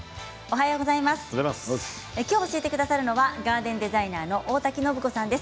今日、教えてくださるのはガーデンデザイナーの大滝暢子さんです。